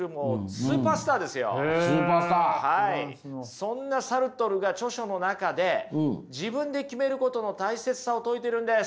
そんなサルトルが著書の中で自分で決めることの大切さを説いてるんです。